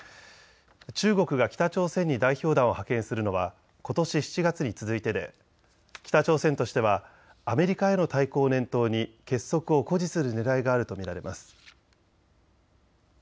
中国が北朝鮮に代表団を派遣するのはことし７月に続いてで北朝鮮としてはアメリカへの対抗を念頭に結束を誇示するねらいがあると見られます。